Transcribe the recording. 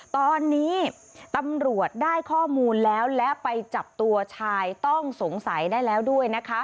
ตอนนี้ตำรวจได้ข้อมูลแล้วและไปจับตัวชายต้องสงสัยได้แล้วด้วยนะคะ